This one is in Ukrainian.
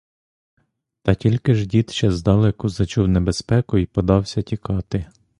Та тільки ж дід ще здалеку зачув небезпеку й подався тікати.